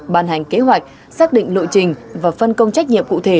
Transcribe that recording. ban hành kế hoạch xác định lộ trình và phân công trách nhiệm cụ thể